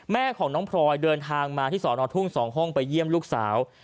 แม่ของน้องพลอยเดินทางมาที่สอนอทุ่ง๒ห้องไปเยี่ยมลูกสาว